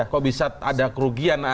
kok bisa ada kerugian